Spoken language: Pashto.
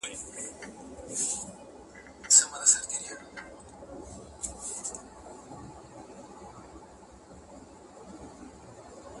چي عطار دوکان ته راغی ډېر خپه سو؛